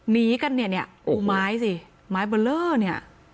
นีกันเนี่ยมั้ยสิมั้ยเวลนะ